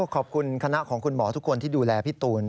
ขอบคุณคณะของคุณหมอทุกคนที่ดูแลพี่ตูน